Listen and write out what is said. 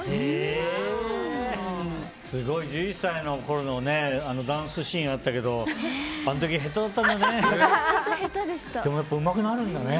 すごい、１１歳のころのダンスシーンあったけどあの時、下手だったんだね。